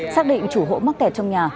xác định chủ hộ mắc kẹt trong nhà